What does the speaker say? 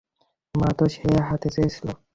মা তো সে হতে চেয়েছিলো।